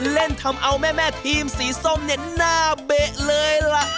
เล่นทำเอาแม่ทีมสีส้มเนี่ยหน้าเบะเลยล่ะ